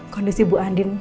kondisi bu andin